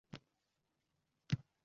Аsrlarni yengar-ku yozuv.